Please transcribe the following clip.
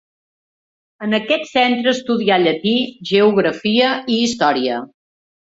En aquest centre estudià llatí, geografia i història.